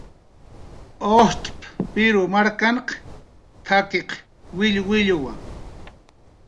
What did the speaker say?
"Ujtz' Pirw markan t""akiq willwilluwa"